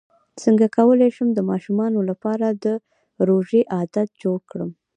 څنګه کولی شم د ماشومانو لپاره د روژې عادت جوړ کړم